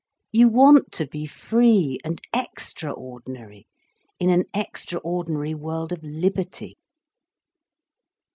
You want to be free and extraordinary, in an extraordinary world of liberty."